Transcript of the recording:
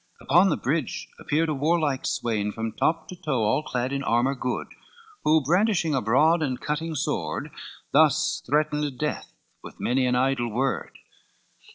Upon the bridge appeared a warlike swain, From top to toe all clad in armor good, Who brandishing a broad and cutting sword, Thus threatened death with many an idle word.